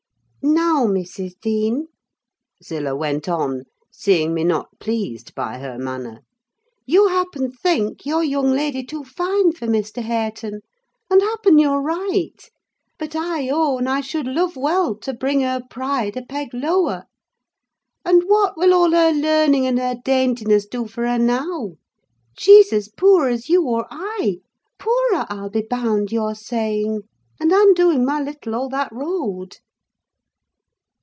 "Now, Mrs. Dean," Zillah went on, seeing me not pleased by her manner, "you happen think your young lady too fine for Mr. Hareton; and happen you're right: but I own I should love well to bring her pride a peg lower. And what will all her learning and her daintiness do for her, now? She's as poor as you or I: poorer, I'll be bound: you're saving, and I'm doing my little all that road."